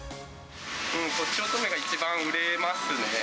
とちおとめが一番売れますね。